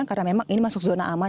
karena memang ini masuk zona aman